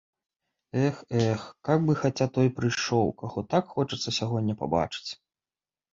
Эх, эх, каб хаця той прыйшоў, каго так хочацца сягоння пабачыць.